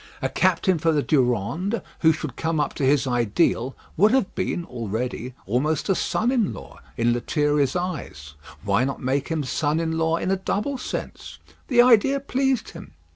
A captain for the Durande who should come up to his ideal, would have been, already, almost a son in law in Lethierry's eyes. Why not make him son in law in a double sense? The idea pleased him.